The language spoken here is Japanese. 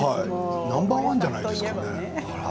ナンバー１じゃないですか。